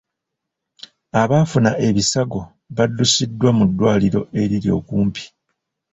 Abaafuna ebisago b'addusibwa mu ddwaliro eriri okumpi.